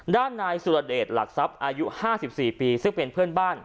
ด้านนายสุรเดชหลักทรัพย์อายุ๕๔ปีซึ่งเป็นเพื่อนบ้าน